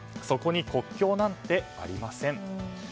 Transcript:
そこに国境なんてありません。